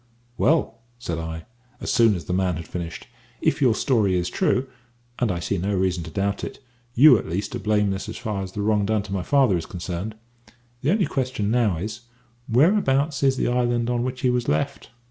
"Well," said I, as soon as the man had finished, "if your story is true and I see no reason to doubt it you at least are blameless as far as the wrong done to my father is concerned. The only question now is, whereabouts is the island on which he was left?"